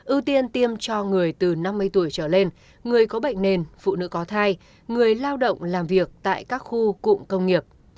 ưu tiên tiêm cho người từ năm mươi tuổi trở lên người có bệnh nền phụ nữ có thai người lao động làm việc tại các khu cụm công nghiệp